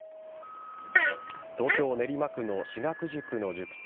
東京・練馬区の志学塾の塾長